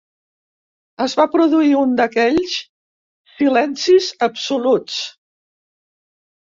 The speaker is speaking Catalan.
Es va produir un d'aquells silencis absoluts.